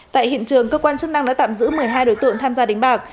tại hiện trường cơ quan chức năng đã tạm giữ một mươi hai đối tượng tham gia đánh bạc